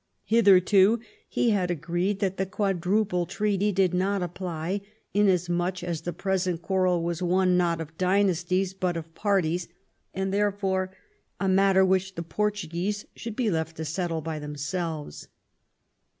Hitherto he had agreed that the Quadruple Treaty did not apply, inasmuch as the present quarrel was one, not of dynasties, but of par ties, and therefore a matter which the Portuguese should be left to settle by themselves.